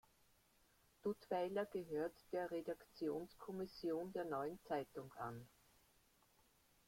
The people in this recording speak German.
Duttweiler gehörte der Redaktionskommission der neuen Zeitung an.